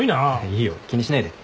いいよ気にしないで。